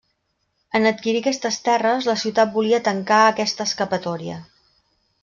En adquirir aquestes terres, la ciutat volia tancar aquesta escapatòria.